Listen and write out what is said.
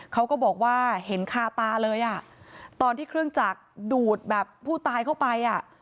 เขาก็บอกว่าเห็นคาตาเลยอ่ะตอนที่เครื่องจักรดูดแบบผู้ตายเข้าไปอ่ะ